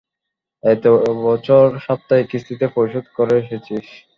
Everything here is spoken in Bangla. এত বছর সাপ্তাহিক কিস্তিতে পরিশোধ করে এসেছিস।